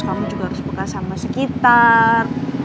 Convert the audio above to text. kamu juga harus bekerja sama sekitar